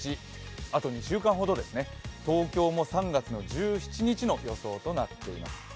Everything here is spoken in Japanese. あと２週間ほどです、東京も３月１７日の予想になっています。